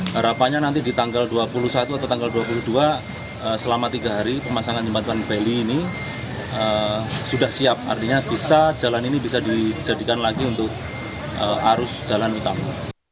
harapannya nanti di tanggal dua puluh satu atau tanggal dua puluh dua selama tiga hari pemasangan jembatan bali ini sudah siap artinya bisa jalan ini bisa dijadikan lagi untuk arus jalan utama